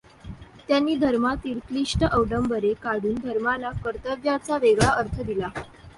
त्यांनी धर्मातील क्लिष्ट अवडंबरे काढून धर्माला कर्तव्याचा वेगळा अर्थ दिला.